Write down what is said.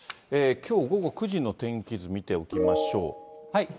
きょう午後９時の天気図見ておきましょう。